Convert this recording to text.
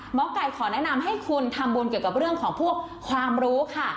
หมอไก่ขอแนะนำให้คุณทำบุญเกี่ยวกับเรื่องของพวกความรู้ค่ะ